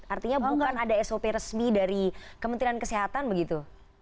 artinya bukan ada sop resmi dari kementerian kesehatan begitu